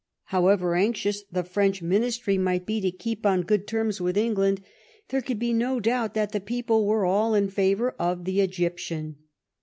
How» THE QUADRILATERAL ALLIANCE. 71 ever anxioiis tbe French Ministry might be to keep on good terms with England, there could be no doubt that the people were all in favour of the Egyptian.